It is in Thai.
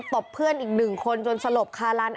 บเพื่อนอีก๑คนจนสลบคาลัน